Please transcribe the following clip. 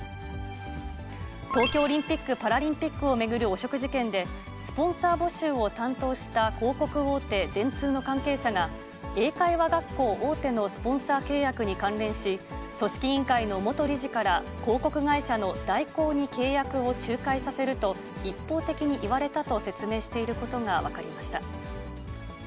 東京オリンピック・パラリンピックを巡る汚職事件で、スポンサー募集を担当した広告大手、電通の関係者が、英会話学校大手のスポンサー契約に関連し、組織委員会の元理事から、広告会社の大広に契約を仲介させると、一方的に言われたと説明していることが分かりました。